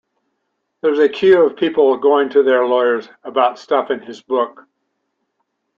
There's a queue of people going to their lawyers about stuff in his book.